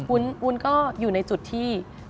วุ้นก็อยู่ในจุดที่